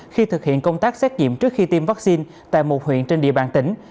khi thực hiện công tác xét nghiệm trước khi tiêm vaccine tại một huyện trên địa bàn tỉnh